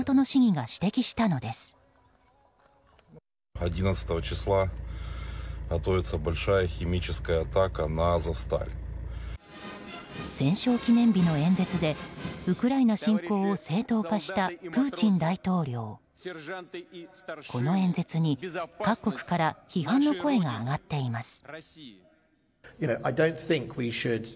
この演説に各国から批判の声が上がっています。